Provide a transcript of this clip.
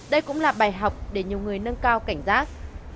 đây cũng là bài học để nhiều người nâng cao cảnh giác